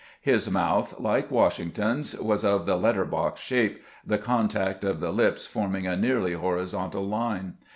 His taouth, like Washington's, was of the letter box shape, the con tact of the lips forming a nearly horizontal line.